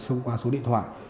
xung quanh số điện thoại